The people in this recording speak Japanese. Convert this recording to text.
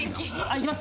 いきます？